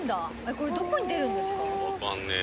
これどこに出るんですか？